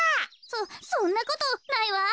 そそんなことないわ。